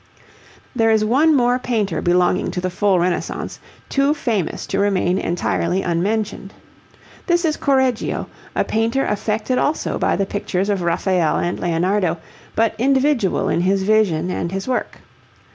There is one more painter belonging to the full Renaissance too famous to remain entirely unmentioned. This is Correggio, a painter affected also by the pictures of Raphael and Leonardo, but individual in his vision and his work.